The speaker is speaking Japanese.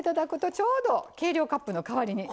ちょうど計量カップの代わりになりますよね。